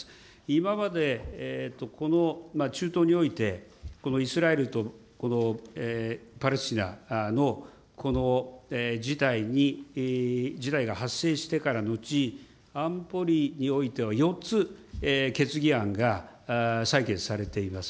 今まで、この中東において、このイスラエルとパレスチナのこの事態が発生してからのち、安保理においては４つ、決議案が採決されています。